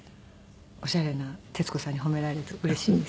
オシャレな徹子さんに褒められるとうれしいです。